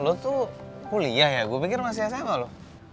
lo tuh kuliah ya gue pikir masih sma loh